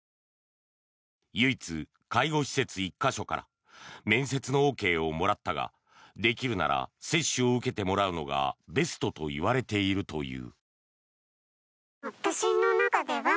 唯一、介護施設１か所から面接のＯＫをもらったができるなら接種を受けてもらうのがベストといわれているという。